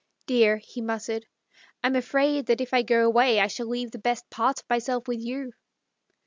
" Dear," he muttered, " I'm afraid that if I go away I shall leave the best part of myself with you."